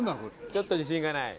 ちょっと自信がない？